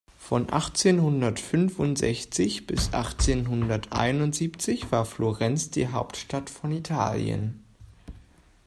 Von achtzehnhundertfünfundsechzig bis achtzehnhunderteinundsiebzig war Florenz die Hauptstadt von Italien.